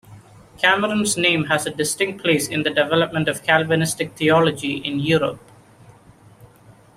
Cameron's name has a distinct place in the development of Calvinistic theology in Europe.